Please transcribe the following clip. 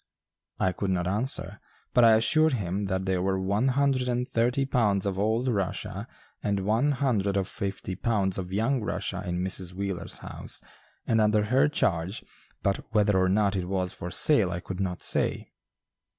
I could not answer, but I assured him that there were one hundred and thirty pounds of old Rushia and one hundred and fifty pounds of young Rushia in Mrs. Wheeler's house, and under her charge, but whether or not it was for sale I could not say.